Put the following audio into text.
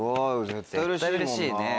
絶対うれしいね。